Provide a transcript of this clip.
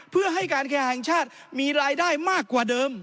เพื่อให้การแข่งชาติมีรายได้มากกว่าเดิม